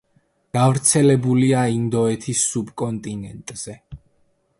გავრცელებულია ინდოეთის სუბკონტინენტზე.